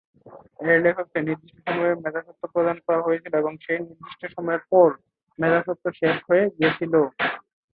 এর লেখককে নির্দিষ্ট সময়ের মেধাস্বত্ব প্রদান করা হয়েছিল এবং সেই নির্দিষ্ট সময়ের পরে মেধাস্বত্ব শেষ হয়ে গিয়েছিল।